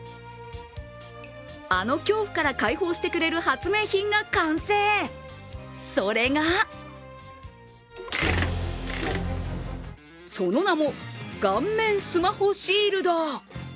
あの恐怖から解放してくれる発明品が完成、それがその名も、顔面スマホシールド。